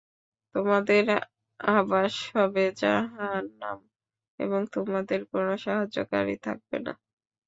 তোমাদের আবাস হবে জাহান্নাম এবং তোমাদের কোন সাহায্যকারী থাকবে না।